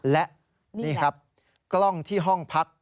และนี่ครับกล้องที่ห้องพัก